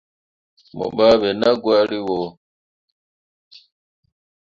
Mo baɓɓe naa gwari wo.